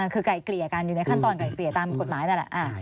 คือไก่เกลี่ยกันอยู่ในขั้นตอนไกลเกลี่ยตามกฎหมายนั่นแหละ